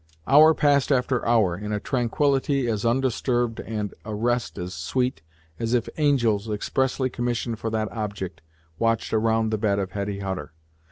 Hour passed after hour, in a tranquility as undisturbed and a rest as sweet as if angels, expressly commissioned for that object, watched around the bed of Hetty Hutter.